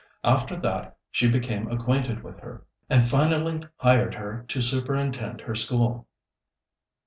After that, she became acquainted with her, and finally hired her to superintend her school.